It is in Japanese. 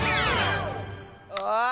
ああ！